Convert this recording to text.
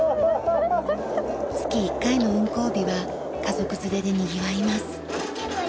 月１回の運行日は家族連れでにぎわいます。